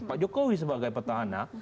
pak jokowi sebagai petahana